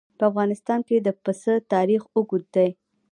په افغانستان کې د پسه تاریخ اوږد دی.